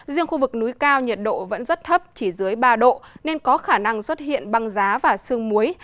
riêng khu vực núi cao nhiệt độ vẫn rất thấp chỉ dưới ba độ nên có khả năng xuất hiện băng giá và sương muối